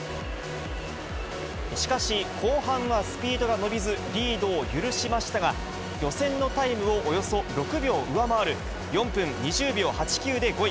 しかし、後半はスピードが伸びず、リードを許しましたが、予選のタイムをおよそ６秒上回る、４分２０秒８９で５位。